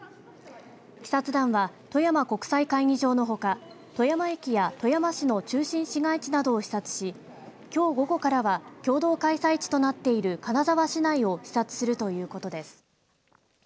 視察団は富山国際会議場のほか富山駅や富山市の中心市街地などを視察しきょう午後からは共同開催地となっている金沢市内を視察するということです。